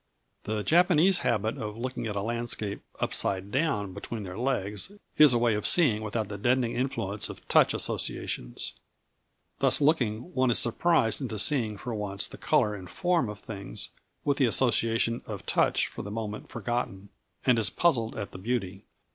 The Japanese habit of looking at a landscape upside down between their legs is a way of seeing without the deadening influence of touch associations. Thus looking, one is surprised into seeing for once the colour and form of things with the association of touch for the moment forgotten, and is puzzled at the beauty.